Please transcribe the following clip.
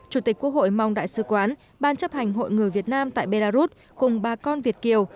chủ tịch quốc hội mong đại sứ quán ban chấp hành hội người việt nam tại belarus cùng ba con việt kiều